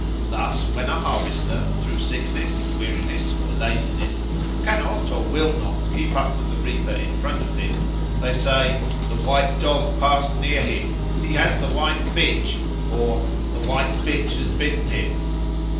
Thus when a harvester, through sickness, weariness, or laziness, cannot or will not keep up with the reaper in front of him, they say, "The White Dog passed near him," "he has the White Bitch," or "the White Bitch has bitten him."